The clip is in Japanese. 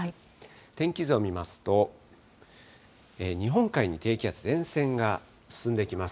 天気図を見ますと、日本海に低気圧、前線が進んできます。